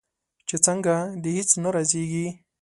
چې څنګه؟ د هیڅ نه رازیږې